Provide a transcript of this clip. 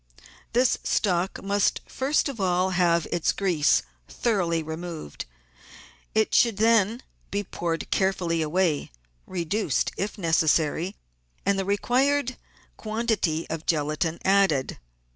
This stock must first of all have its grease thoroughly re moved; it should then be poured carefully away, reduced if necessary, and the required quantity of gelatine added.